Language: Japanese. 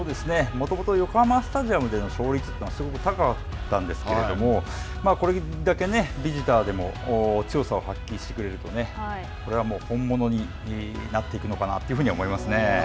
もともと横浜スタジアムでの勝率というのはすごく高かったんですけれどもこれだけビジターでも強さを発揮してくれるとこれは本物になっていくのかなと思いますね。